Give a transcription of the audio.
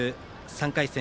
３回戦